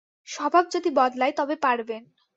স্বভাব যদি বদলায় তবে পারবেন।